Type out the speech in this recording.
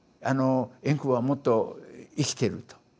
円空はもっと生きてると。